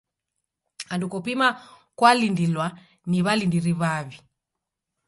Andu kopima kwalindilwa ni w'alindiri w'aw'i.